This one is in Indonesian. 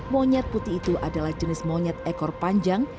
monyet putih itu adalah jenis monyet ekor panjang